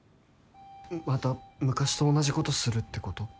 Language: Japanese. また昔と同じことするってこと？